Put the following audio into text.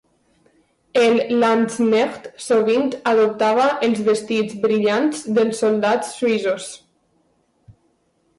El Landsknecht sovint adoptava els vestits brillants dels soldats suïssos.